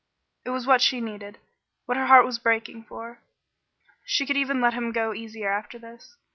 It was what she needed, what her heart was breaking for. She could even let him go easier after this.